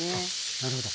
なるほど。